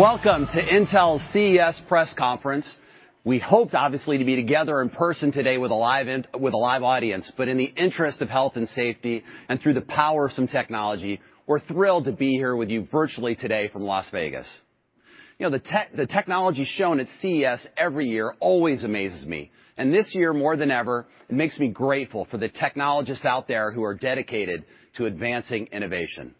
Welcome to Intel's CES press conference. We hoped, obviously, to be together in person today with a live audience, but in the interest of health and safety, and through the power of some technology, we're thrilled to be here with you virtually today from Las Vegas. You know, the technology shown at CES every year always amazes me, and this year more than ever it makes me grateful for the technologists out there who are dedicated to advancing innovation.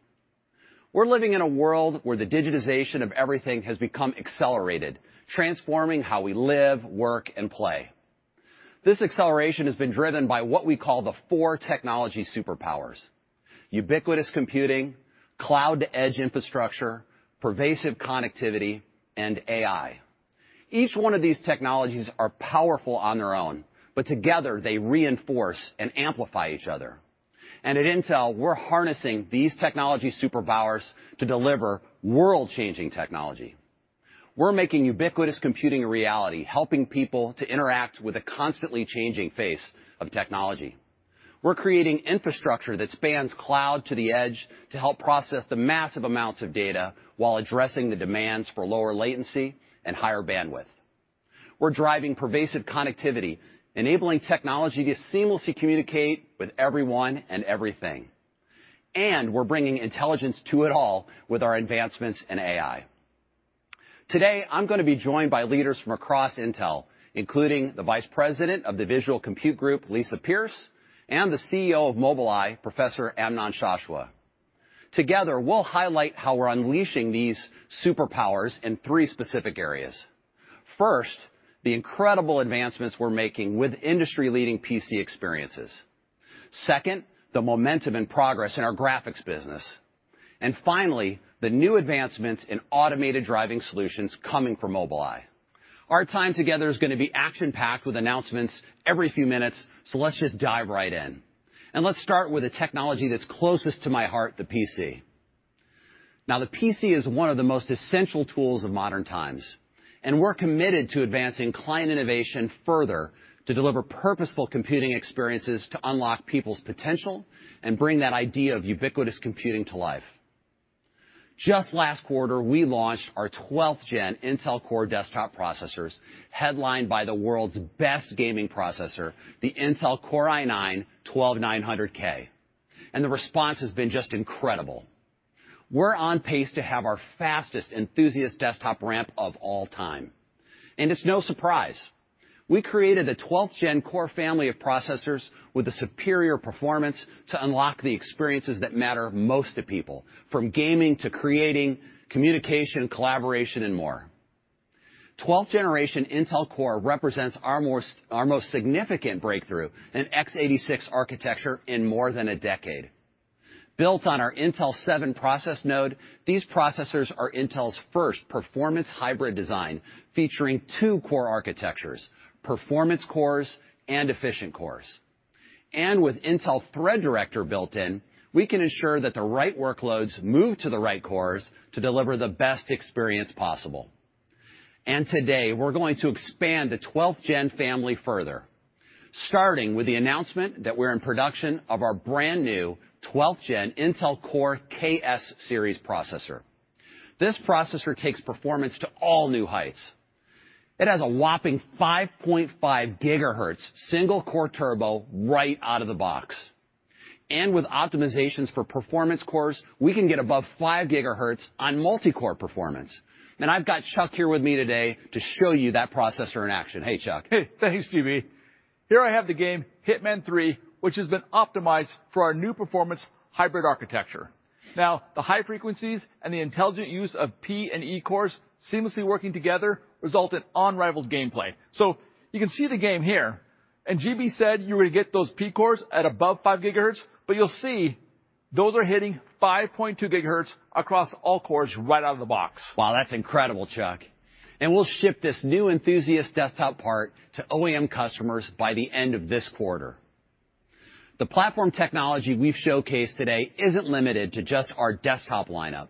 We're living in a world where the digitization of everything has become accelerated, transforming how we live, work, and play. This acceleration has been driven by what we call the four technology superpowers. Ubiquitous computing, cloud-to-edge infrastructure, pervasive connectivity, and AI. Each one of these technologies are powerful on their own, but together they reinforce and amplify each other. At Intel, we're harnessing these technology superpowers to deliver world-changing technology. We're making ubiquitous computing a reality, helping people to interact with the constantly changing face of technology. We're creating infrastructure that spans cloud to the edge to help process the massive amounts of data while addressing the demands for lower latency and higher bandwidth. We're driving pervasive connectivity, enabling technology to seamlessly communicate with everyone and everything. We're bringing intelligence to it all with our advancements in AI. Today, I'm gonna be joined by leaders from across Intel, including the Vice President of the Visual Compute Group, Lisa Pearce, and the CEO of Mobileye, Professor Amnon Shashua. Together, we'll highlight how we're unleashing these superpowers in three specific areas. First, the incredible advancements we're making with industry-leading PC experiences. Second, the momentum and progress in our graphics business. Finally, the new advancements in automated driving solutions coming from Mobileye. Our time together is gonna be action-packed with announcements every few minutes, so let's just dive right in. Let's start with the technology that's closest to my heart, the PC. Now, the PC is one of the most essential tools of modern times, and we're committed to advancing client innovation further to deliver purposeful computing experiences to unlock people's potential and bring that idea of ubiquitous computing to life. Just last quarter, we launched our 12th Gen Intel Core desktop processors, headlined by the world's best gaming processor, the Intel Core i9-12900K. The response has been just incredible. We're on pace to have our fastest enthusiast desktop ramp of all time. It's no surprise. We created the 12th Gen Core family of processors with the superior performance to unlock the experiences that matter most to people, from gaming to creating, communication, collaboration, and more. 12th generation Intel Core represents our most significant breakthrough in X86 architecture in more than a decade. Built on our Intel 7 process node, these processors are Intel's first performance hybrid design, featuring two core architectures, performance cores and efficient cores. With Intel Thread Director built in, we can ensure that the right workloads move to the right cores to deliver the best experience possible. Today, we're going to expand the 12th Gen family further, starting with the announcement that we're in production of our brand-new 12th Gen Intel Core KS-series processor. This processor takes performance to all new heights. It has a whopping 5.5 GHz single core turbo right out of the box. With optimizations for performance cores, we can get above 5 gigahertz on multicore performance. I've got Chuck here with me today to show you that processor in action. Hey, Chuck. Hey. Thanks, GB. Here I have the game Hitman 3, which has been optimized for our new performance hybrid architecture. Now, the high frequencies and the intelligent use of P and E cores seamlessly working together result in unrivaled gameplay. You can see the game here, and GB said you were to get those P cores at above 5 GHz, but you'll see those are hitting 5.2 GHz across all cores right out of the box. Wow, that's incredible, Chuck. We'll ship this new enthusiast desktop part to OEM customers by the end of this quarter. The platform technology we've showcased today isn't limited to just our desktop lineup.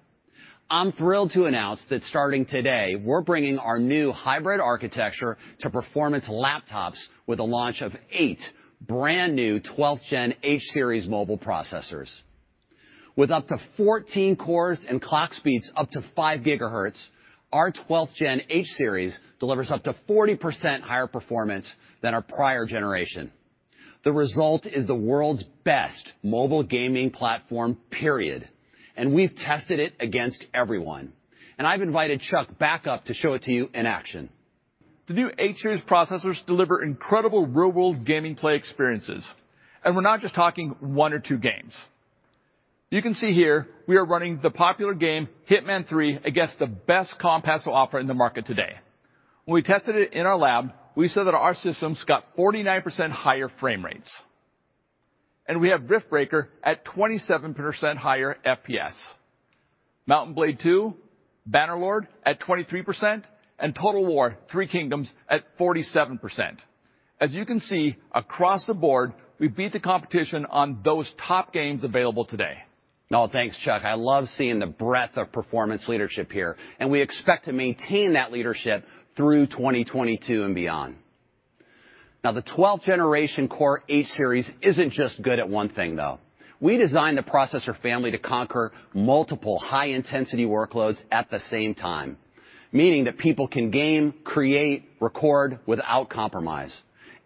I'm thrilled to announce that starting today we're bringing our new hybrid architecture to performance laptops with the launch of eight brand-new 12th Gen H-series mobile processors. With up to 14 cores and clock speeds up to 5 GHz, our 12th Gen H-series delivers up to 40% higher performance than our prior generation. The result is the world's best mobile gaming platform, period, and we've tested it against everyone. I've invited Chuck back up to show it to you in action. The new H-series processors deliver incredible real-world gameplay experiences, and we're not just talking one or two games. You can see here, we are running the popular game Hitman 3 against the best competition has to offer in the market today. When we tested it in our lab, we saw that our systems got 49% higher frame rates. We have Riftbreaker at 27% higher FPS. Mount & Blade II: Bannerlord at 23%, and Total War: Three Kingdoms at 47%. As you can see, across the board we beat the competition on those top games available today. Oh, thanks, Chuck. I love seeing the breadth of performance leadership here, and we expect to maintain that leadership through 2022 and beyond. The 12th Gen Core H-series isn't just good at one thing, though. We designed the processor family to conquer multiple high-intensity workloads at the same time, meaning that people can game, create, record without compromise.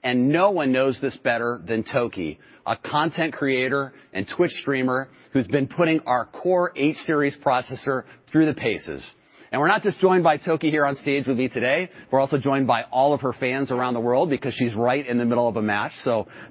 No one knows this better than Toki, a content creator and Twitch streamer who's been putting our Core H-series processor through the paces. We're not just joined by Toki here on stage with me today, we're also joined by all of her fans around the world because she's right in the middle of a match.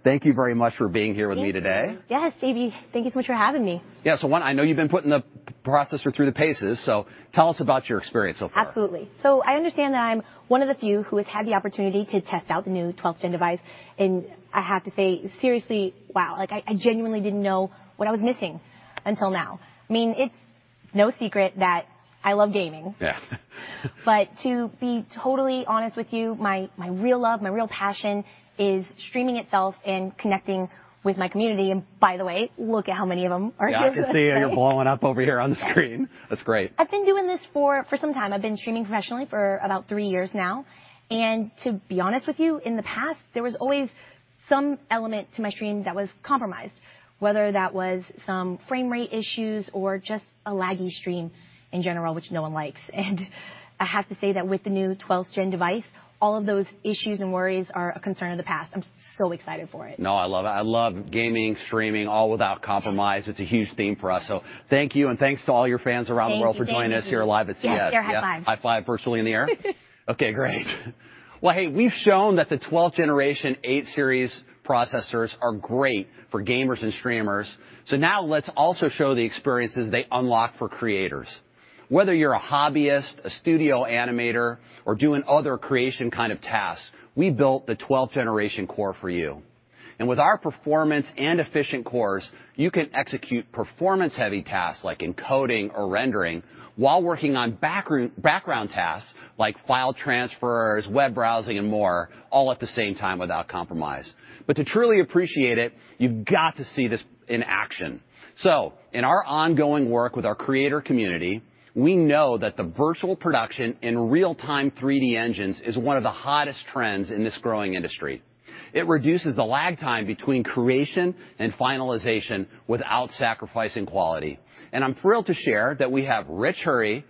Thank you very much for being here with me today. Yes, JV, thank you so much for having me. I know you've been putting the processor through the paces, so tell us about your experience so far. Absolutely. I understand that I'm one of the few who has had the opportunity to test out the new 12th-gen device, and I have to say, seriously, wow, like, I genuinely didn't know what I was missing until now. I mean, it's no secret that I love gaming. Yeah. To be totally honest with you, my real love, my real passion is streaming itself and connecting with my community. By the way, look at how many of them are here. Yeah, I can see you're blowing up over here on the screen. Yeah. That's great. I've been doing this for some time. I've been streaming professionally for about three years now. To be honest with you, in the past, there was always some element to my stream that was compromised, whether that was some frame rate issues or just a laggy stream in general, which no one likes. I have to say that with the new 12th-gen device, all of those issues and worries are a concern of the past. I'm so excited for it. No, I love it. I love gaming, streaming, all without compromise. It's a huge theme for us. Thank you, and thanks to all your fans around the world for joining us here live at CES. Thank you. Yes, high five. High five virtually in the air. Okay, great. Well, hey, we've shown that the 12th generation H-series processors are great for gamers and streamers, so now let's also show the experiences they unlock for creators. Whether you're a hobbyist, a studio animator, or doing other creation kind of tasks, we built the 12th generation Core for you. With our performance and efficient cores, you can execute performance-heavy tasks like encoding or rendering while working on background tasks like file transfers, web browsing, and more, all at the same time without compromise. To truly appreciate it, you've got to see this in action. In our ongoing work with our creator community, we know that the virtual production in real-time 3D engines is one of the hottest trends in this growing industry. It reduces the lag time between creation and finalization without sacrificing quality. I'm thrilled to share that we have Rich Hurrey,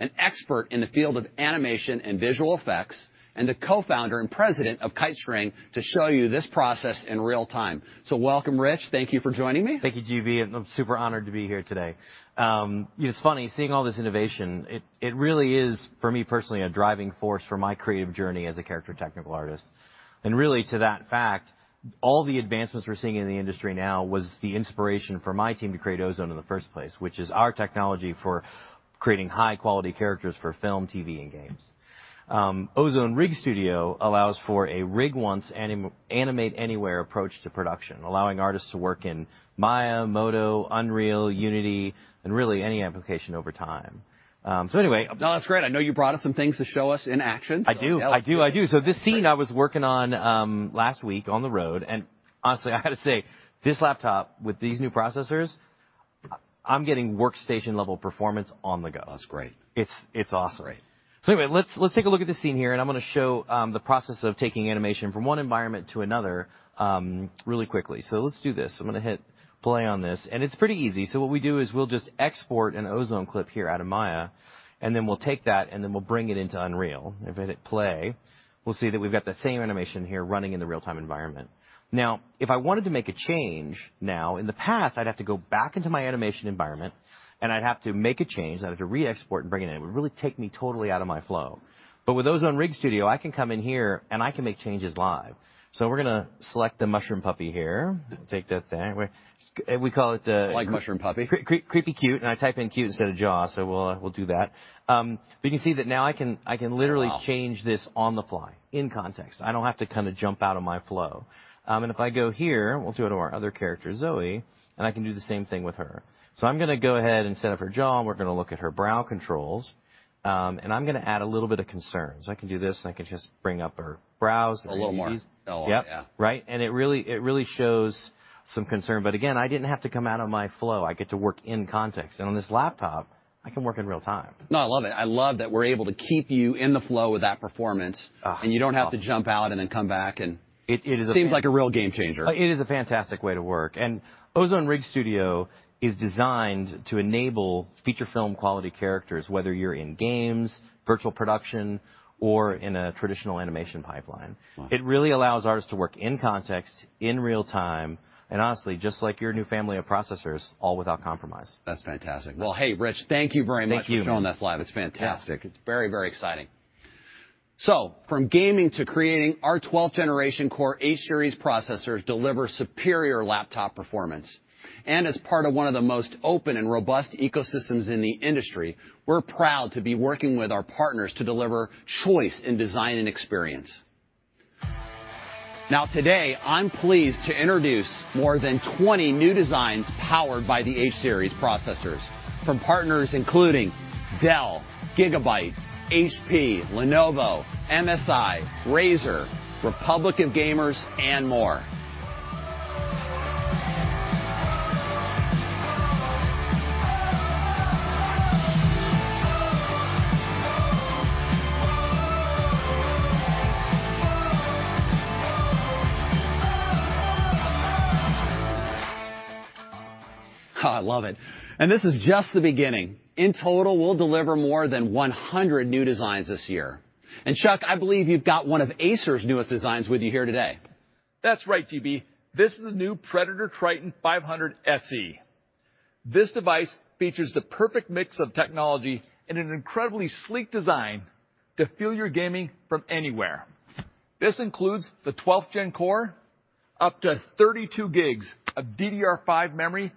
an expert in the field of animation and visual effects, and the co-founder and president of Kitestring, to show you this process in real time. Welcome, Rich, thank you for joining me. Thank you, JV, and I'm super honored to be here today. You know, it's funny, seeing all this innovation, it really is, for me personally, a driving force for my creative journey as a character technical artist. Really, to that fact, all the advancements we're seeing in the industry now was the inspiration for my team to create Ozone in the first place, which is our technology for creating high-quality characters for film, TV, and games. Ozone Rig Studio allows for a rig once, animate anywhere approach to production, allowing artists to work in Maya, Modo, Unreal, Unity, and really any application over time. No, that's great. I know you brought us some things to show us in action. I do. Yeah, let's see it. Great. This scene I was working on last week on the road, and honestly, I gotta say, this laptop with these new processors, I'm getting workstation-level performance on the go. That's great. It's awesome. Great. Anyway, let's take a look at this scene here, and I'm gonna show the process of taking animation from one environment to another really quickly. Let's do this. I'm gonna hit Play on this. It's pretty easy. What we do is we'll just export an Ozone clip here out of Maya, and then we'll take that, and then we'll bring it into Unreal. If I hit Play, we'll see that we've got the same animation here running in the real-time environment. Now, if I wanted to make a change now, in the past, I'd have to go back into my animation environment, and I'd have to make a change, I'd have to re-export and bring it in. It would really take me totally out of my flow. With Ozone Rig Studio, I can come in here, and I can make changes live. We're gonna select the mushroom puppy here. Take that there. We call it the- I like mushroom puppy. Creepy cute, and I type in cute instead of jaw, so we'll do that. You can see that now I can literally change this. Wow.... on the fly in context. I don't have to kinda jump out of my flow. If I go here, we'll do it to our other character, Zoe, and I can do the same thing with her. I'm gonna go ahead, instead of her jaw, and we're gonna look at her brow controls, and I'm gonna add a little bit of concern. I can do this, and I can just bring up her brows and her eyes. A little more. A little more, yeah. Yep, right? It really shows some concern. Again, I didn't have to come out of my flow. I get to work in context. On this laptop, I can work in real time. No, I love it. I love that we're able to keep you in the flow with that performance. It's awesome. You don't have to jump out and then come back. It is a f- Seems like a real game changer. It is a fantastic way to work. Ozone Rig Studio is designed to enable feature film quality characters, whether you're in games, virtual production, or in a traditional animation pipeline. Wow. It really allows artists to work in context, in real time, and honestly, just like your new family of processors, all without compromise. That's fantastic. Well, hey, Rich, thank you very much. Thank you.... for showing us live. It's fantastic. It's very, very exciting. From gaming to creating, our 12th generation Core H-series processors deliver superior laptop performance. As part of one of the most open and robust ecosystems in the industry, we're proud to be working with our partners to deliver choice in design and experience. Now today I'm pleased to introduce more than 20 new designs powered by the H-series processors from partners including Dell, GIGABYTE, HP, Lenovo, MSI, Razer, Republic of Gamers, and more. Oh, I love it. This is just the beginning. In total, we'll deliver more than 100 new designs this year. Chuck, I believe you've got one of Acer's newest designs with you here today. That's right, GB. This is the new Predator Triton 500 SE. This device features the perfect mix of technology in an incredibly sleek design to fuel your gaming from anywhere. This includes the 12th-gen Core, up to 32 GB of DDR5 memory,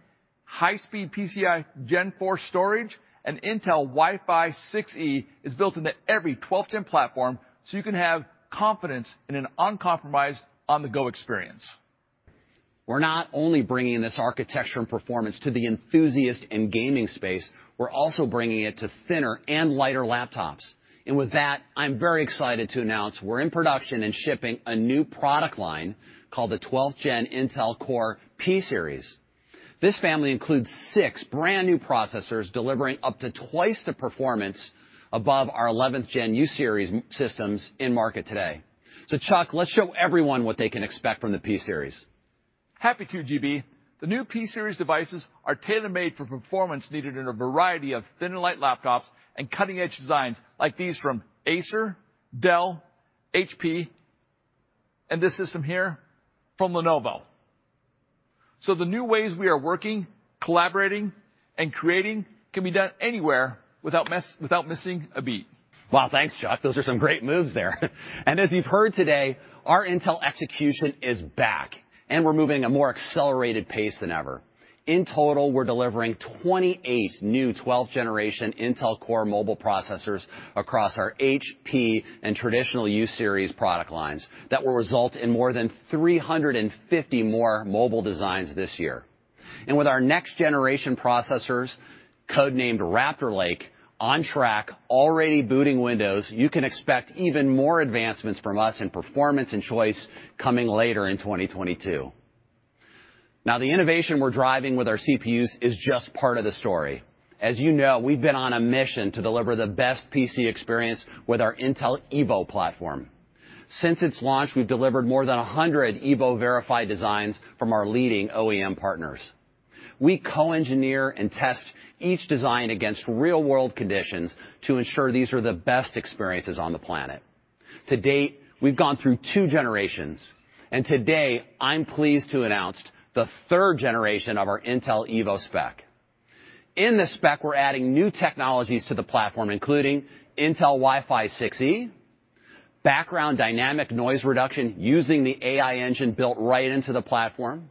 high-speed PCIe Gen 4 storage, and Intel Wi-Fi 6E is built into every 12th-gen platform, so you can have confidence in an uncompromised on-the-go experience. We're not only bringing this architecture and performance to the enthusiast and gaming space, we're also bringing it to thinner and lighter laptops. With that, I'm very excited to announce we're in production and shipping a new product line called the 12th-gen Intel Core P-series. This family includes six brand-new processors delivering up to twice the performance above our 11th-gen U-series systems in market today. Chuck, let's show everyone what they can expect from the P-series. Happy to, GB. The new P-series devices are tailor-made for performance needed in a variety of thin and light laptops and cutting-edge designs, like these from Acer, Dell, HP, and this system here from Lenovo. The new ways we are working, collaborating, and creating can be done anywhere without missing a beat. Wow, thanks, Chuck. Those are some great moves there. As you've heard today, our Intel execution is back, and we're moving at a more accelerated pace than ever. In total, we're delivering 28 new 12th-generation Intel Core mobile processors across our H-series and traditional U-series product lines that will result in more than 350 more mobile designs this year. With our next generation processors, codenamed Raptor Lake, on track, already booting Windows, you can expect even more advancements from us in performance and choice coming later in 2022. Now, the innovation we're driving with our CPUs is just part of the story. As you know, we've been on a mission to deliver the best PC experience with our Intel Evo platform. Since its launch, we've delivered more than 100 Evo-verified designs from our leading OEM partners. We co-engineer and test each design against real-world conditions to ensure these are the best experiences on the planet. To date, we've gone through two generations, and today, I'm pleased to announce the third generation of our Intel Evo spec. In this spec, we're adding new technologies to the platform, including Intel Wi-Fi 6E, background dynamic noise reduction using the AI engine built right into the platform,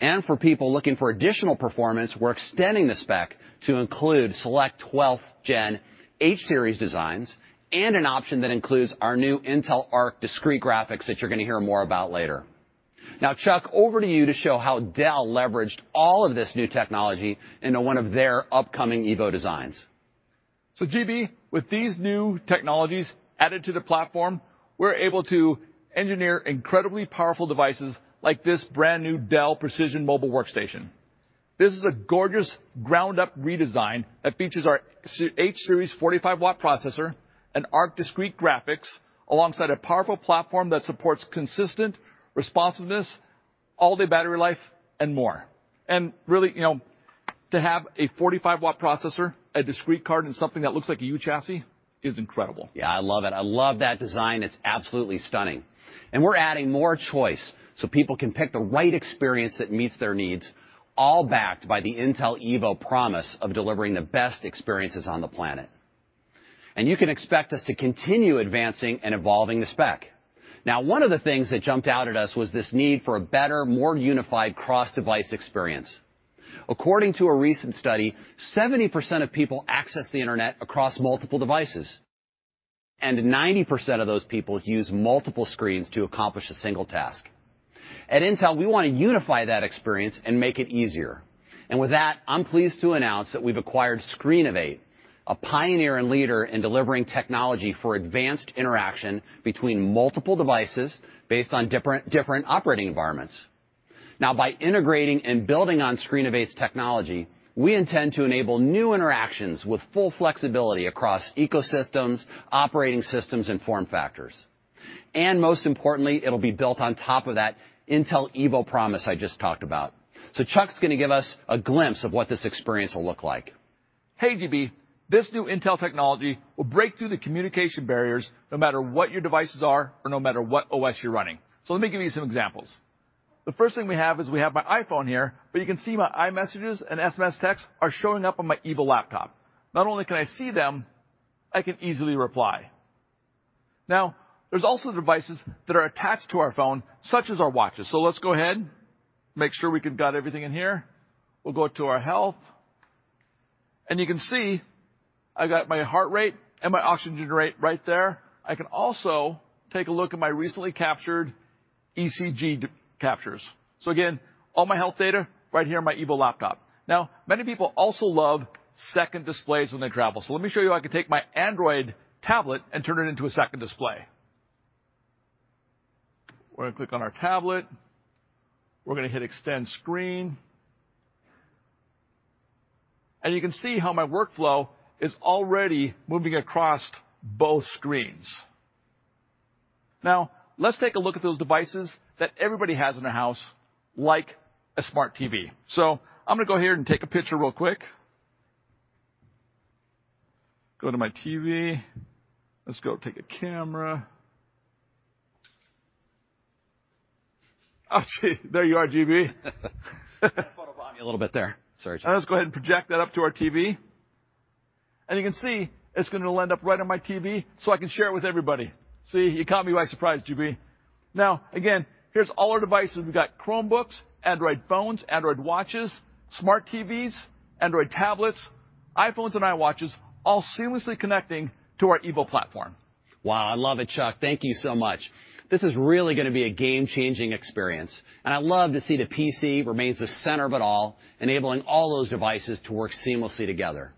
and for people looking for additional performance, we're extending the spec to include select 12th-gen H-series designs and an option that includes our new Intel Arc discrete graphics that you're gonna hear more about later. Now, Chuck, over to you to show how Dell leveraged all of this new technology into one of their upcoming Evo designs. GB, with these new technologies added to the platform, we're able to engineer incredibly powerful devices like this brand-new Dell Precision mobile workstation. This is a gorgeous ground-up redesign that features our H-series 45-watt processor and Arc discrete graphics, alongside a powerful platform that supports consistent responsiveness, all-day battery life, and more. Really, you know, to have a 45-watt processor, a discrete card in something that looks like a U chassis is incredible. Yeah, I love it. I love that design. It's absolutely stunning. We're adding more choice, so people can pick the right experience that meets their needs, all backed by the Intel Evo promise of delivering the best experiences on the planet. You can expect us to continue advancing and evolving the spec. Now, one of the things that jumped out at us was this need for a better, more unified cross-device experience. According to a recent study, 70% of people access the internet across multiple devices, and 90% of those people use multiple screens to accomplish a single task. At Intel, we wanna unify that experience and make it easier. With that, I'm pleased to announce that we've acquired Screenovate, a pioneer and leader in delivering technology for advanced interaction between multiple devices based on different operating environments. Now, by integrating and building on Screenovate's technology, we intend to enable new interactions with full flexibility across ecosystems, operating systems, and form factors. Most importantly, it'll be built on top of that Intel Evo promise I just talked about. Chuck's gonna give us a glimpse of what this experience will look like. Hey, GB. This new Intel technology will break through the communication barriers no matter what your devices are or no matter what OS you're running. Let me give you some examples. The first thing we have is my iPhone here, but you can see my iMessages and SMS texts are showing up on my Intel Evo laptop. Not only can I see them, I can easily reply. Now, there's also devices that are attached to our phone, such as our watches. Let's go ahead, got everything in here. We'll go to our health, and you can see I got my heart rate and my oxygen rate right there. I can also take a look at my recently captured ECG captures. Again, all my health data right here on my Intel Evo laptop. Now, many people also love second displays when they travel, so let me show you. I can take my Android tablet and turn it into a second display. We're gonna click on our tablet. We're gonna hit Extend Screen. You can see how my workflow is already moving across both screens. Now, let's take a look at those devices that everybody has in their house, like a smart TV. I'm gonna go here and take a picture real quick. Go to my TV. Let's go take a camera. Oh, gee, there you are, GB. You photobombed me a little bit there. Sorry, Chuck. Now let's go ahead and project that up to our TV. You can see it's gonna end up right on my TV, so I can share it with everybody. See, you caught me by surprise, GB. Now, again, here's all our devices. We've got Chromebooks, Android phones, Android watches, smart TVs, Android tablets, iPhones and Apple Watches all seamlessly connecting to our Evo platform. Wow, I love it, Chuck. Thank you so much. This is really gonna be a game-changing experience, and I love to see the PC remains the center of it all, enabling all those devices to work seamlessly together.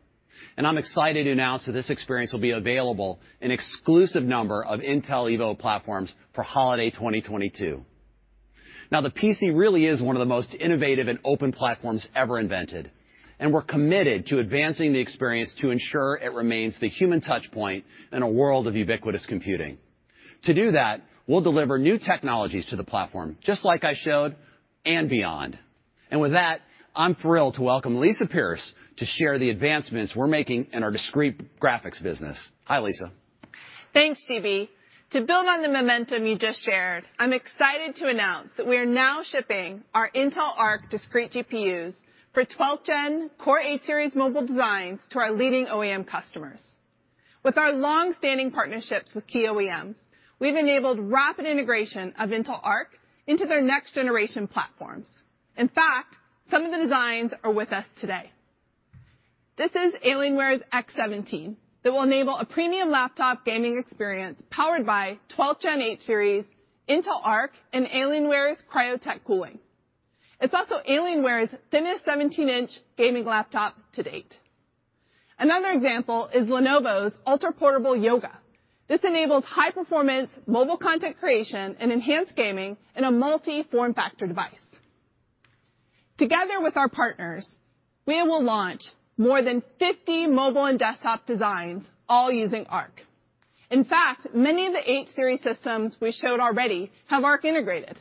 I'm excited to announce that this experience will be available in an exclusive number of Intel Evo platforms for holiday 2022. Now, the PC really is one of the most innovative and open platforms ever invented, and we're committed to advancing the experience to ensure it remains the human touchpoint in a world of ubiquitous computing. To do that, we'll deliver new technologies to the platform, just like I showed and beyond. With that, I'm thrilled to welcome Lisa Pearce to share the advancements we're making in our discrete graphics business. Hi, Lisa. Thanks, GB. To build on the momentum you just shared, I'm excited to announce that we are now shipping our Intel Arc discrete GPUs for 12th Gen Core H-series mobile designs to our leading OEM customers. With our long-standing partnerships with key OEMs, we've enabled rapid integration of Intel Arc into their next generation platforms. In fact, some of the designs are with us today. This is Alienware's x17 that will enable a premium laptop gaming experience powered by 12th Gen H-series Intel Arc and Alienware's Cryo-Tech cooling. It's also Alienware's thinnest 17-inch gaming laptop to date. Another example is Lenovo's ultra-portable Yoga. This enables high performance mobile content creation and enhanced gaming in a multi-form factor device. Together with our partners, we will launch more than 50 mobile and desktop designs all using Arc. In fact, many of the H-series systems we showed already have Arc integrated.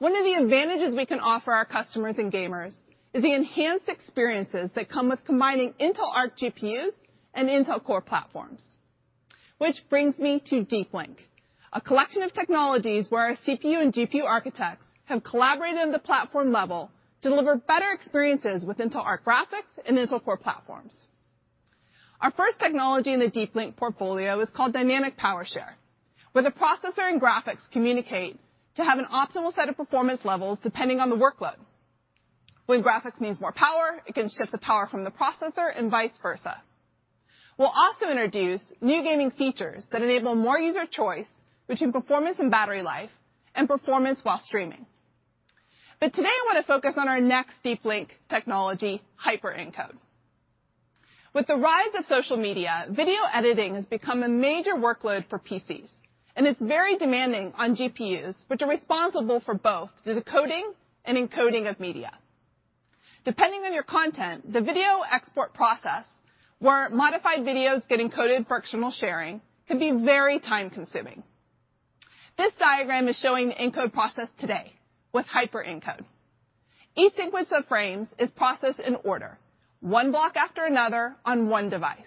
One of the advantages we can offer our customers and gamers is the enhanced experiences that come with combining Intel Arc GPUs and Intel Core platforms. Which brings me to Deep Link, a collection of technologies where our CPU and GPU architects have collaborated at the platform level to deliver better experiences with Intel Arc graphics and Intel Core platforms. Our first technology in the Deep Link portfolio is called Dynamic Power Share, where the processor and graphics communicate to have an optimal set of performance levels depending on the workload. When graphics needs more power, it can strip the power from the processor and vice versa. We'll also introduce new gaming features that enable more user choice between performance and battery life and performance while streaming. But today I wanna focus on our next Deep Link technology, Hyper Encode. With the rise of social media, video editing has become a major workload for PCs, and it's very demanding on GPUs, which are responsible for both the decoding and encoding of media. Depending on your content, the video export process, where modified videos get encoded for external sharing, can be very time-consuming. This diagram is showing the encode process today with Hyper Encode. Each sequence of frames is processed in order, one block after another on one device.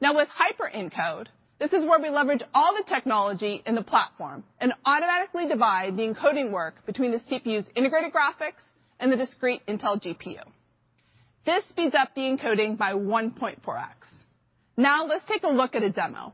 Now, with Hyper Encode, this is where we leverage all the technology in the platform and automatically divide the encoding work between the CPU's integrated graphics and the discrete Intel GPU. This speeds up the encoding by 1.4x. Now let's take a look at a demo.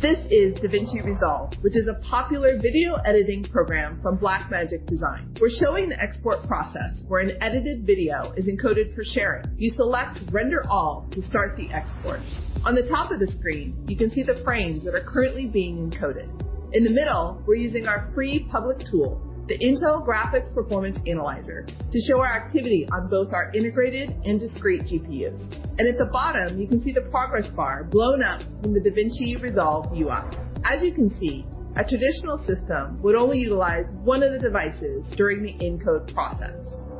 This is DaVinci Resolve, which is a popular video editing program from Blackmagic Design. We're showing the export process where an edited video is encoded for sharing. You select Render All to start the export. On the top of the screen, you can see the frames that are currently being encoded. In the middle, we're using our free public tool, the Intel Graphics Performance Analyzer, to show our activity on both our integrated and discrete GPUs. At the bottom, you can see the progress bar blown up from the DaVinci Resolve UI. As you can see, a traditional system would only utilize one of the devices during the encode process.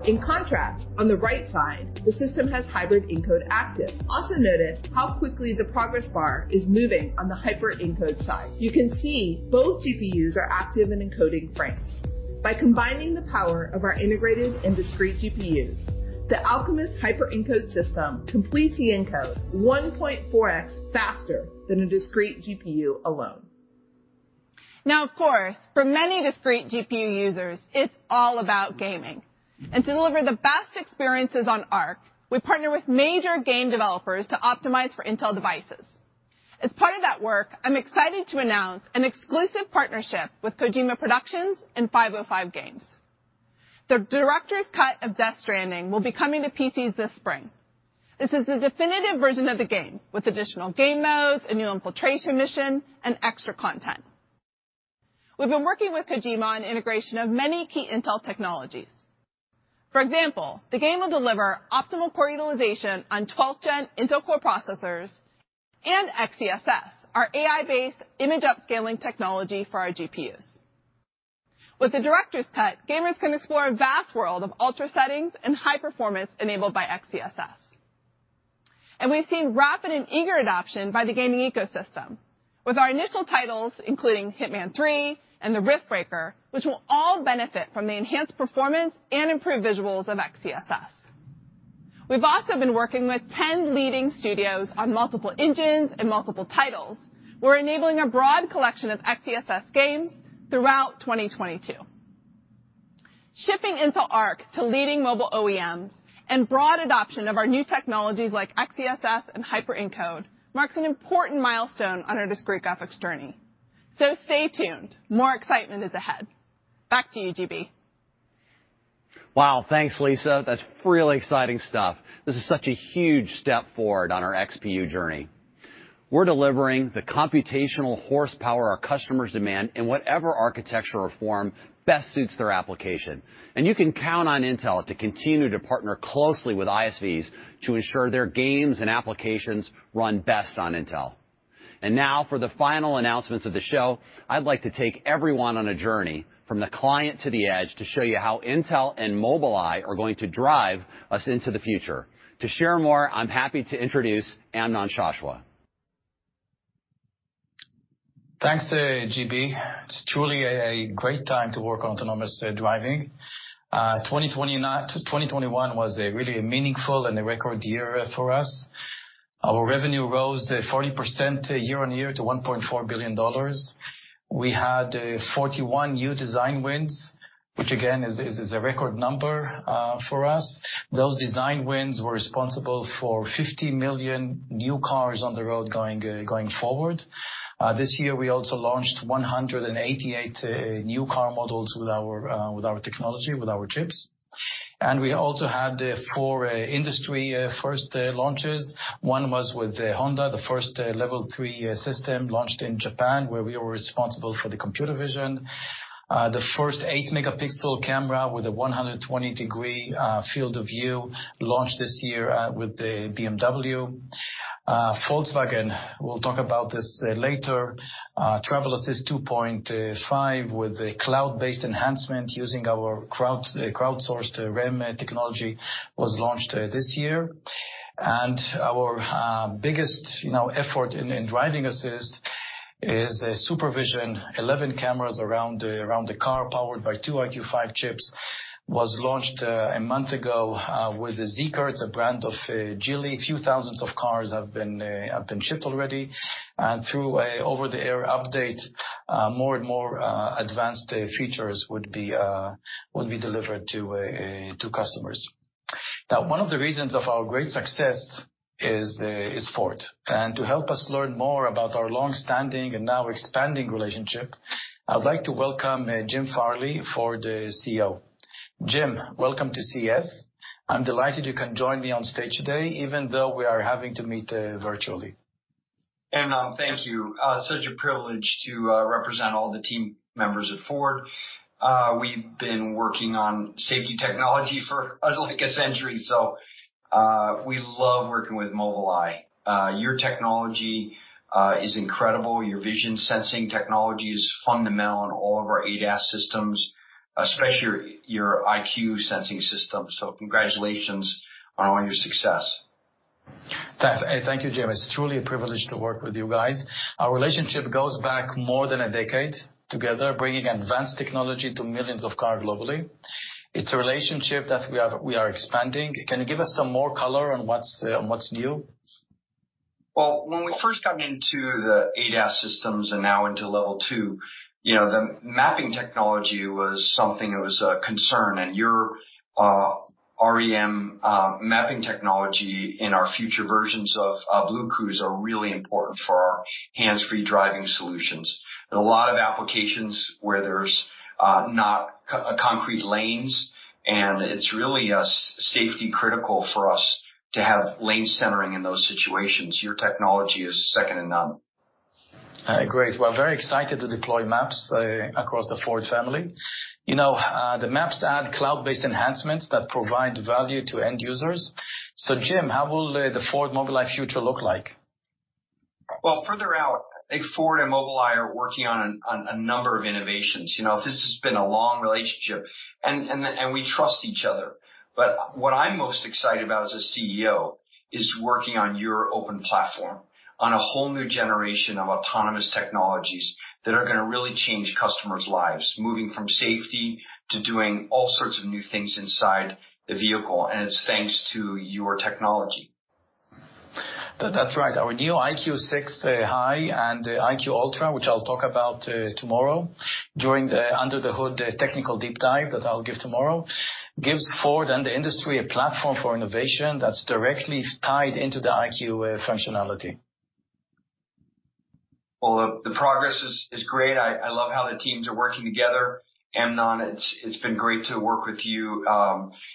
In contrast, on the right side, the system has hybrid encode active. Also notice how quickly the progress bar is moving on the Hyper Encode side. You can see both GPUs are active in encoding frames. By combining the power of our integrated and discrete GPUs, the Alchemist Hyper Encode system completes the encode 1.4x faster than a discrete GPU alone. Now, of course, for many discrete GPU users, it's all about gaming. To deliver the best experiences on Arc, we partner with major game developers to optimize for Intel devices. As part of that work, I'm excited to announce an exclusive partnership with Kojima Productions and 505 Games. The Director's Cut of Death Stranding will be coming to PCs this spring. This is the definitive version of the game with additional game modes, a new infiltration mission, and extra content. We've been working with Kojima on integration of many key Intel technologies. For example, the game will deliver optimal core utilization on 12th Gen Intel Core processors and XeSS, our AI-based image upscaling technology for our GPUs. With the director's cut, gamers can explore a vast world of ultra settings and high performance enabled by XeSS. We've seen rapid and eager adoption by the gaming ecosystem with our initial titles, including Hitman III and The Riftbreaker, which will all benefit from the enhanced performance and improved visuals of XeSS. We've also been working with 10 leading studios on multiple engines and multiple titles. We're enabling a broad collection of XeSS games throughout 2022. Shipping Intel Arc to leading mobile OEMs and broad adoption of our new technologies like XeSS and Hyper Encode marks an important milestone on our discrete graphics journey. Stay tuned. More excitement is ahead. Back to you, GB. Wow, thanks, Lisa. That's really exciting stuff. This is such a huge step forward on our XPU journey. We're delivering the computational horsepower our customers demand in whatever architectural form best suits their application. You can count on Intel to continue to partner closely with ISVs to ensure their games and applications run best on Intel. Now for the final announcements of the show, I'd like to take everyone on a journey from the client to the edge to show you how Intel and Mobileye are going to drive us into the future. To share more, I'm happy to introduce Amnon Shashua. Thanks, GB. It's truly a great time to work on autonomous driving. 2021 was a really meaningful and a record year for us. Our revenue rose 40% year on year to $1.4 billion. We had 41 new design wins, which again is a record number for us. Those design wins were responsible for 50 million new cars on the road going forward. This year, we also launched 188 new car models with our technology, with our chips. We also had four industry first launches. One was with Honda, the first Level 3 system launched in Japan, where we were responsible for the computer vision. The first 8-megapixel camera with a 120-degree field of view launched this year with BMW. Volkswagen, we'll talk about this later. Travel Assist 2.5 with the cloud-based enhancement using our crowdsourced REM technology was launched this year. Our biggest, you know, effort in driving assist is SuperVision. 11 cameras around the car powered by two EyeQ5 chips was launched a month ago with the ZEEKR. It's a brand of Geely. A few thousand cars have been shipped already. Through an over-the-air update, more and more advanced features would be delivered to customers. Now, one of the reasons of our great success is Ford. To help us learn more about our long-standing and now expanding relationship, I'd like to welcome Jim Farley, Ford CEO. Jim, welcome to CES. I'm delighted you can join me on stage today, even though we are having to meet, virtually. Amnon, thank you. Such a privilege to represent all the team members at Ford. We've been working on safety technology for like a century, so we love working with Mobileye. Your technology is incredible. Your vision sensing technology is fundamental in all of our ADAS systems, especially your EyeQ sensing system. Congratulations on all your success. Thank you, Jim. It's truly a privilege to work with you guys. Our relationship goes back more than a decade together, bringing advanced technology to millions of cars globally. It's a relationship that we are expanding. Can you give us some more color on what's new? Well, when we first got into the ADAS systems and now into Level 2, you know, the mapping technology was something that was a concern. Your REM mapping technology in our future versions of BlueCruise are really important for our hands-free driving solutions. There are a lot of applications where there's not concrete lanes, and it's really safety critical for us to have lane centering in those situations. Your technology is second to none. Great. We're very excited to deploy maps across the Ford family. You know, the maps add cloud-based enhancements that provide value to end users. Jim, how will the Ford Mobileye future look like? Well, further out, I think Ford and Mobileye are working on a number of innovations. You know, this has been a long relationship, and we trust each other. But what I'm most excited about as a CEO is working on your open platform on a whole new generation of autonomous technologies that are gonna really change customers' lives, moving from safety to doing all sorts of new things inside the vehicle. It's thanks to your technology. That's right. Our new EyeQ6 High and the EyeQ Ultra, which I'll talk about tomorrow during the under-the-hood technical deep dive that I'll give tomorrow, gives Ford and the industry a platform for innovation that's directly tied into the EyeQ functionality. Well, the progress is great. I love how the teams are working together. Amnon, it's been great to work with you,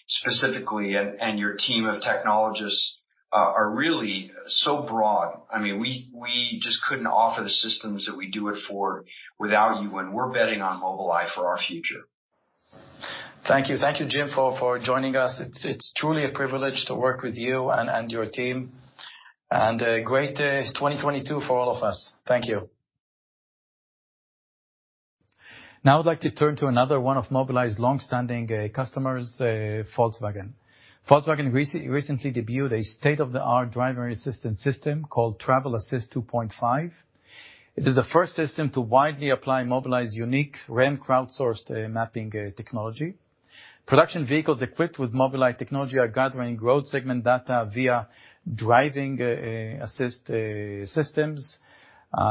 specifically and your team of technologists are really so broad. I mean, we just couldn't offer the systems that we do without you, and we're betting on Mobileye for our future. Thank you. Thank you, Jim, for joining us. It's truly a privilege to work with you and your team. A great 2022 for all of us. Thank you. Now I'd like to turn to another one of Mobileye's long-standing customers, Volkswagen. Volkswagen recently debuted a state-of-the-art driver assistance system called Travel Assist 2.5. It is the first system to widely apply Mobileye's unique REM crowdsourced mapping technology. Production vehicles equipped with Mobileye technology are gathering road segment data via driving assist systems.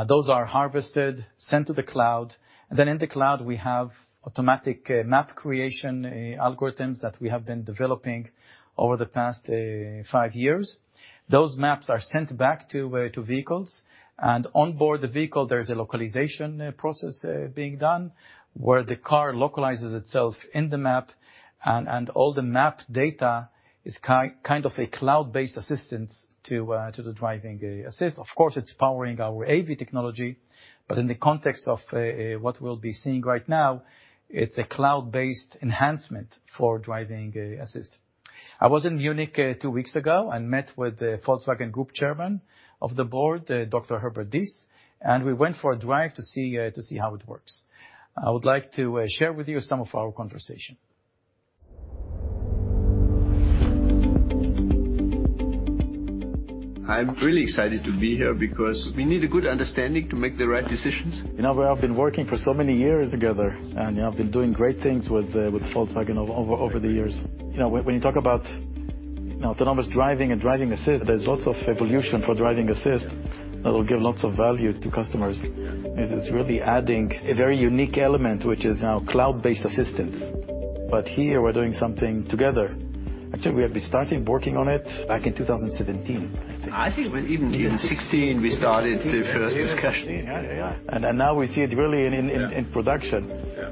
Those are harvested, sent to the cloud, and then in the cloud, we have automatic map creation algorithms that we have been developing over the past five years. Those maps are sent back to vehicles, and onboard the vehicle, there's a localization process being done where the car localizes itself in the map and all the map data is kind of a cloud-based assistance to the driving assist. Of course, it's powering our AV technology, but in the context of what we'll be seeing right now, it's a cloud-based enhancement for driving assist. I was in Munich two weeks ago and met with the Volkswagen Group Chairman of the Board, Dr. Herbert Diess, and we went for a drive to see how it works. I would like to share with you some of our conversation. I'm really excited to be here because we need a good understanding to make the right decisions. You know, we have been working for so many years together, and I've been doing great things with Volkswagen over the years. You know, when you talk about autonomous driving and driving assist, there's lots of evolution for driving assist that will give lots of value to customers. It is really adding a very unique element, which is now cloud-based assistance. Here, we're doing something together. Actually, we have been starting working on it back in 2017, I think. I think even in 2016 we started. Even 16. The first discussions. Yeah, yeah. Then now we see it really in production.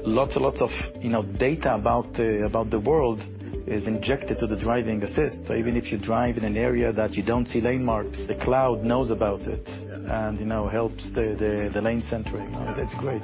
Lots and lots of, you know, data about the world is injected to the driving assist. Even if you drive in an area that you don't see lane marks, the cloud knows about it- Yeah. You know, helps the lane centering. That's great.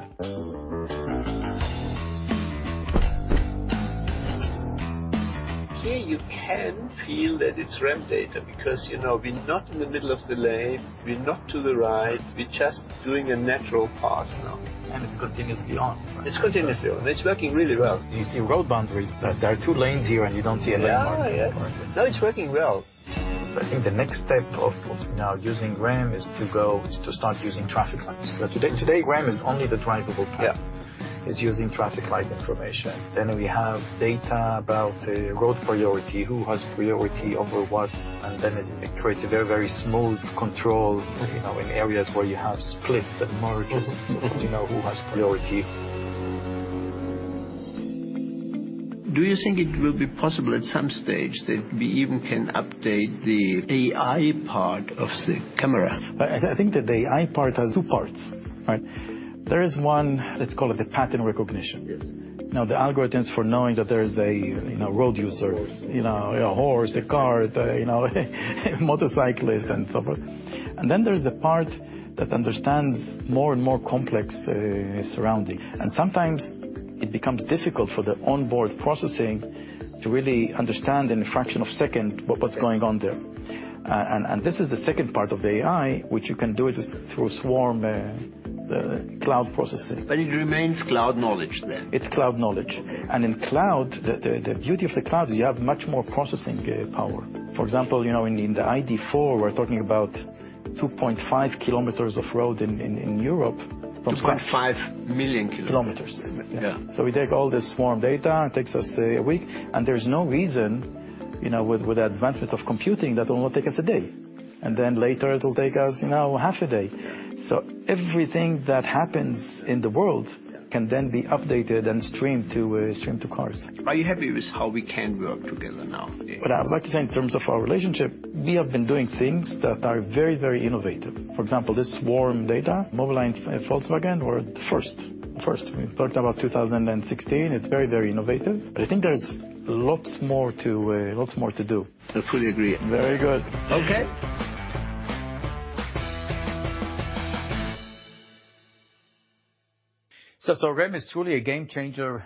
Here you can feel that it's REM data because, you know, we're not in the middle of the lane, we're not to the right, we're just doing a natural path now. It's continuously on, right? It's continuously on. It's working really well. You see road boundaries. There are two lanes here and you don't see a lane mark. Yeah. Yes. No, it's working well. I think the next step of now using REM is to start using traffic lights. Today, REM is only the drivable path. Yeah. is using traffic light information. We have data about road priority, who has priority over what, and it creates a very, very smooth control. Mm-hmm. You know, in areas where you have splits and merges. Yes. so that you know who has priority. Do you think it will be possible at some stage that we even can update the AI part of the camera? I think that the AI part has two parts. Right? There is one, let's call it the pattern recognition. Yes. You know, the algorithms for knowing that there's a, you know, road user. A horse. You know, a horse, a car, you know, a motorcyclist and so forth. Then there's the part that understands more and more complex surrounding. Sometimes it becomes difficult for the onboard processing to really understand in a fraction of second what's going on there. This is the second part of the AI which you can do it through swarm cloud processing. It remains cloud knowledge then? It's cloud knowledge. In cloud, the beauty of the cloud is you have much more processing power. For example, you know, in the ID.4, we're talking about 2.5 km of road in Europe from scratch. 2.5 million kilometers. Kilometers. Yeah. We take all this swarm data, it takes us a week, and there's no reason, you know, with the advancement of computing that it will not take us a day. Then later it will take us, you know, half a day. Yeah. Everything that happens in the world. Yeah. Can then be updated and streamed to cars. Are you happy with how we can work together now? What I would like to say in terms of our relationship, we have been doing things that are very, very innovative. For example, this swarm data, Mobileye and Volkswagen were the first. We're talking about 2016. It's very, very innovative, but I think there's lots more to do. I fully agree. Very good. Okay. REM is truly a game changer.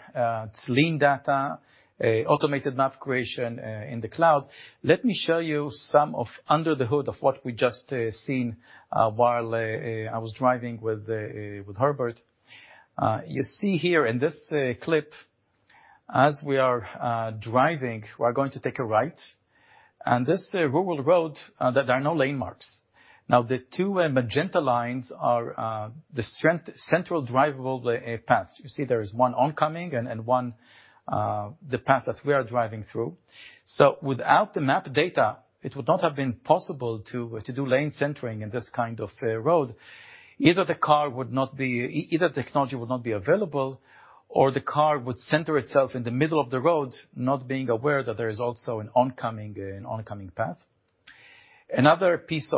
It's lean data, automated map creation, in the cloud. Let me show you some of under the hood of what we just seen, while I was driving with Dr. Herbert Diess. You see here in this clip, as we are driving, we're going to take a right, and this rural road, there are no lane marks. Now, the two magenta lines are the strength central drivable path. You see there is one oncoming and one the path that we are driving through. Without the map data, it would not have been possible to do lane centering in this kind of road. Either the car would not be... Either the technology would not be available or the car would center itself in the middle of the road, not being aware that there is also an oncoming path. Another piece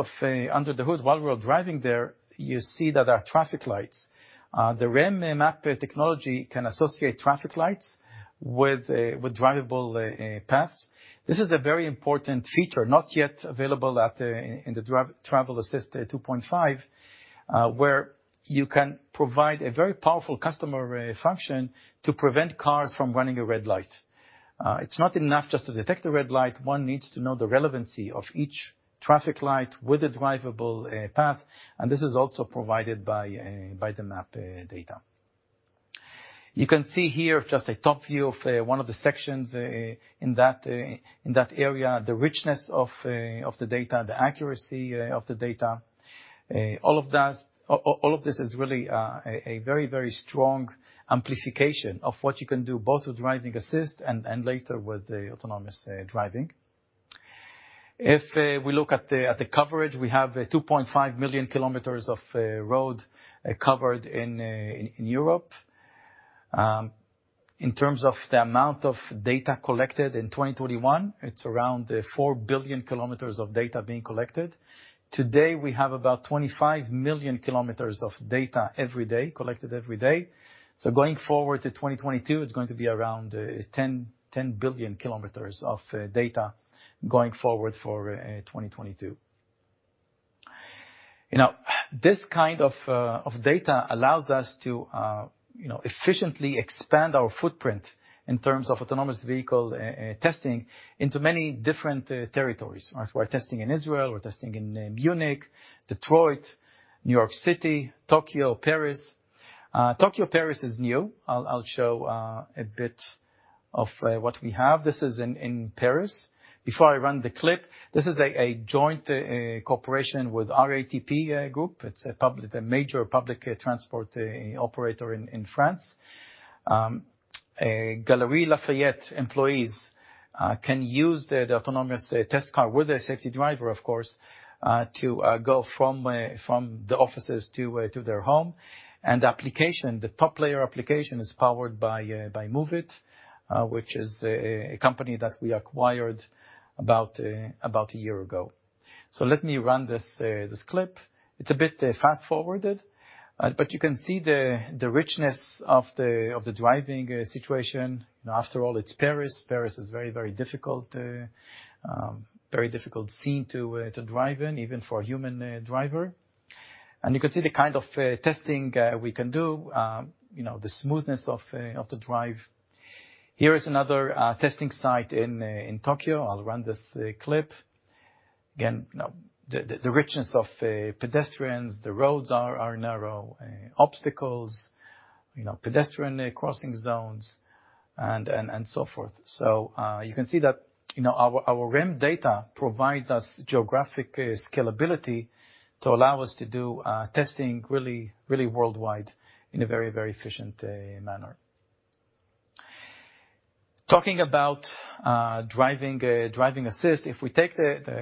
under the hood while we're driving there, you see that there are traffic lights. The REM map technology can associate traffic lights with drivable paths. This is a very important feature, not yet available in Travel Assist 2.5, where you can provide a very powerful customer function to prevent cars from running a red light. It's not enough just to detect a red light, one needs to know the relevancy of each traffic light with a drivable path, and this is also provided by the map data. You can see here just a top view of one of the sections in that area, the richness of the data, the accuracy of the data. All of that all of this is really a very very strong amplification of what you can do both with Driving Assist and later with the autonomous driving. If we look at the coverage, we have 2.5 million kilometers of road covered in Europe. In terms of the amount of data collected in 2021, it's around 4 billion kilometers of data being collected. Today, we have about 25 million kilometers of data every day, collected every day. Going forward to 2022, it's going to be around 10 billion kilometers of data going forward for 2022. You know, this kind of data allows us to, you know, efficiently expand our footprint in terms of autonomous vehicle testing into many different territories. We're testing in Israel, Munich, Detroit, New York City, Tokyo, Paris. Tokyo, Paris is new. I'll show a bit of what we have. This is in Paris. Before I run the clip, this is a joint cooperation with RATP Group. It's a major public transport operator in France. Galeries Lafayette employees can use the autonomous test car with a safety driver, of course, to go from the offices to their home. The application, the top-layer application is powered by Moovit, which is a company that we acquired about a year ago. Let me run this clip. It's a bit fast-forwarded, but you can see the richness of the driving situation. After all, it's Paris. Paris is very difficult city to drive in, even for a human driver. You can see the kind of testing we can do. You know, the smoothness of the drive. Here is another testing site in Tokyo. I'll run this clip. Again, the richness of pedestrians, the roads are narrow, obstacles, you know, pedestrian crossing zones and so forth. You can see that, you know, our REM data provides us geographic scalability to allow us to do testing really worldwide in a very efficient manner. Talking about driving assist, if we take the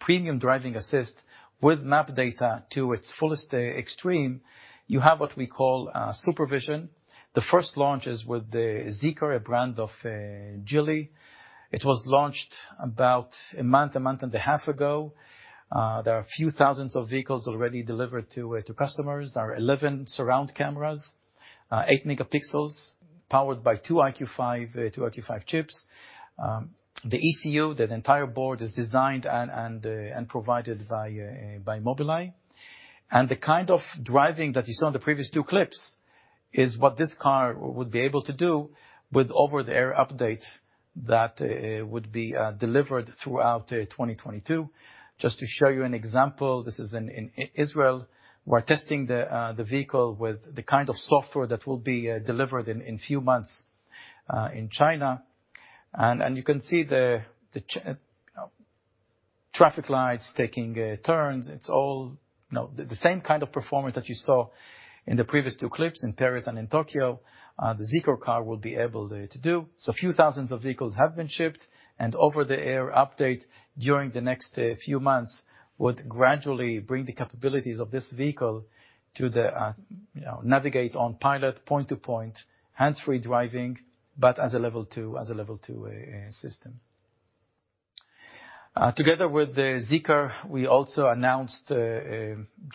premium driving assist with map data to its fullest extreme, you have what we call SuperVision. The first launch is with the ZEEKR, a brand of Geely. It was launched about a month and a half ago. There are a few thousands of vehicles already delivered to customers. Our 11 surround cameras, eight megapixels, powered by two EyeQ5 chips. The ECU, that entire board is designed and provided by Mobileye. The kind of driving that you saw in the previous two clips is what this car would be able to do with over-the-air updates that would be delivered throughout 2022. Just to show you an example, this is in Israel. We're testing the vehicle with the kind of software that will be delivered in few months in China. You can see the traffic lights taking turns. It's all, you know, the same kind of performance that you saw in the previous two clips in Paris and in Tokyo. The ZEEKR car will be able to do. A few thousand vehicles have been shipped and over-the-air updates during the next few months would gradually bring the capabilities of this vehicle to the, you know, navigate on pilot, point-to-point, hands-free driving, but as a Level 2 system. Together with the ZEEKR, we also announced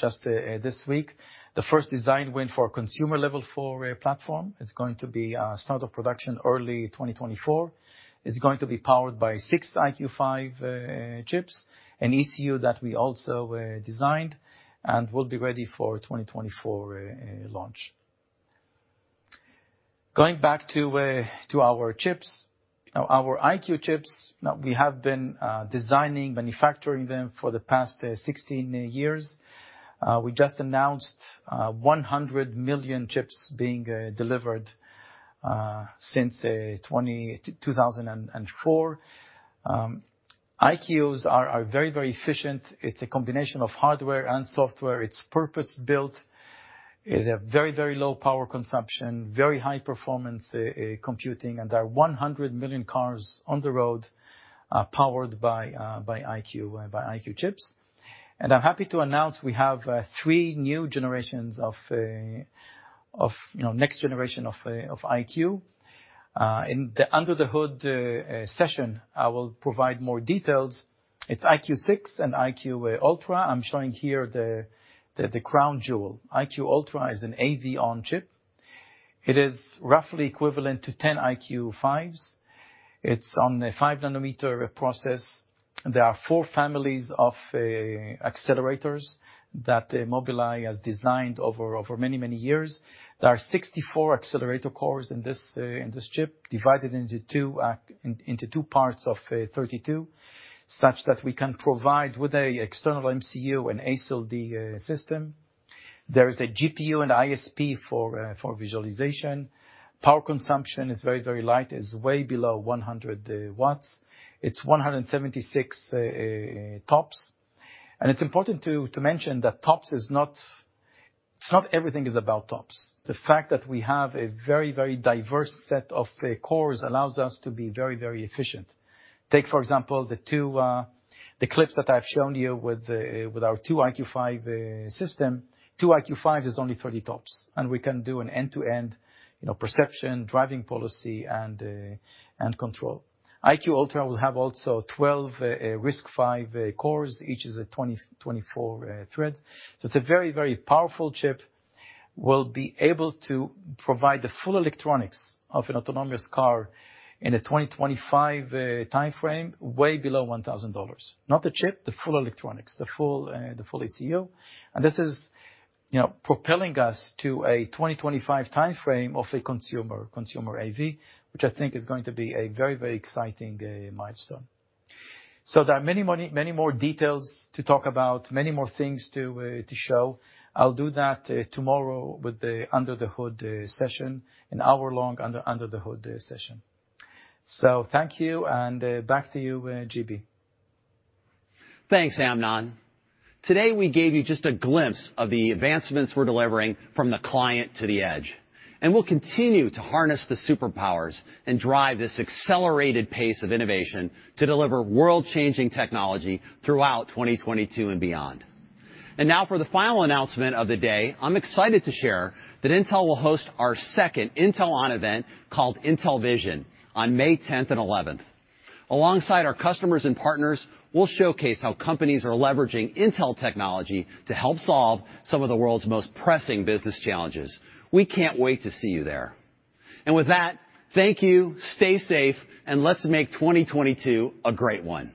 just this week the first design win for consumer Level 4 platform. It's going to be start of production early 2024. It's going to be powered by six EyeQ5 chips, an ECU that we also designed and will be ready for 2024 launch. Going back to our chips. Our EyeQ chips, we have been designing, manufacturing them for the past 16 years. We just announced 100 million chips being delivered since 2004. EyeQs are very efficient. It's a combination of hardware and software. It's purpose-built. It's a very low power consumption, very high performance computing, and there are 100 million cars on the road powered by EyeQ chips. I'm happy to announce we have three new generations of next-generation EyeQ. In the Under the Hood session, I will provide more details. It's EyeQ6 and EyeQ Ultra. I'm showing here the crown jewel. EyeQ Ultra is an AV on chip. It is roughly equivalent to 10 EyeQ5s. It's on a five-nanometer process. There are four families of accelerators that Mobileye has designed over many years. There are 64 accelerator cores in this chip, divided into two parts of 32, such that we can provide an external MCU and ASIL-D system. There is a GPU and ISP for visualization. Power consumption is very light. It's way below 100 watts. It's 176 TOPS. It's important to mention that TOPS is not everything. It's not all about TOPS. The fact that we have a very diverse set of cores allows us to be very efficient. Take, for example, the two clips that I've shown you with our two EyeQ5 system. Two EyeQ5 is only 30 TOPS. We can do an end-to-end, you know, perception, driving policy and control. EyeQ Ultra will have also 12 RISC-V cores. Each is 24 threads. So it's a very powerful chip. We'll be able to provide the full electronics of an autonomous car in a 2025 timeframe, way below $1,000. Not the chip, the full electronics, the full ECU. This is, you know, propelling us to a 2025 timeframe of a consumer AV, which I think is going to be a very exciting milestone. So there are many more details to talk about, many more things to show. I'll do that tomorrow with the under the hood session, an hour-long under the hood session. Thank you, and back to you, GB. Thanks, Amnon. Today, we gave you just a glimpse of the advancements we're delivering from the client to the edge. We'll continue to harness the superpowers and drive this accelerated pace of innovation to deliver world-changing technology throughout 2022 and beyond. Now for the final announcement of the day, I'm excited to share that Intel will host our second Intel ON event called Intel Vision on May 10 and 11. Alongside our customers and partners, we'll showcase how companies are leveraging Intel technology to help solve some of the world's most pressing business challenges. We can't wait to see you there. With that, thank you, stay safe, and let's make 2022 a great one.